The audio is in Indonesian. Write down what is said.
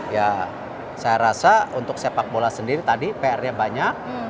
ya saya rasa untuk sepak bola sendiri tadi pr nya banyak